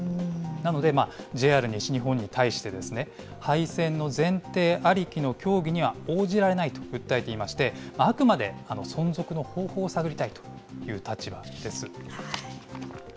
なので、ＪＲ西日本に対して、廃線の前提ありきの協議には応じられないと訴えていまして、あくまで存続の方法を探りたいという立場です。